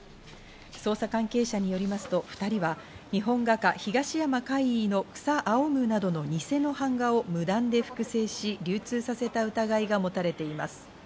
捜査関係者によりますと２人は、日本画家・東山魁夷の『草青む』などの偽の版画を無断で複製し、流通させた疑いが持たれています。